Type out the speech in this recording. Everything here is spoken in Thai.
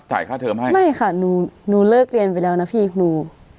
จ่ายค่าเทอร์มให้ไม่ค่ะหนูหนูเลิกเรียนไปแล้วนะพี่หนู